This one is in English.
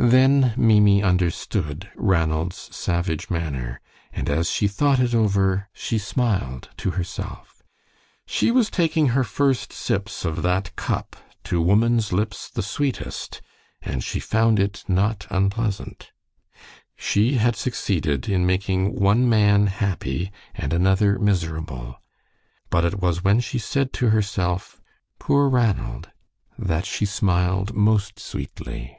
Then Maimie understood Ranald's savage manner, and as she thought it over she smiled to herself. She was taking her first sips of that cup, to woman's lips the sweetest, and she found it not unpleasant. She had succeeded in making one man happy and another miserable. But it was when she said to herself, "Poor Ranald!" that she smiled most sweetly.